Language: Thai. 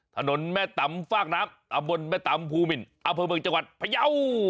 ถนนแม่ตำฟากน้ำตำบลแม่ตำภูมินอำเภอเมืองจังหวัดพยาว